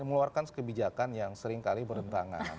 mengeluarkan sekebijakan yang seringkali berhentangan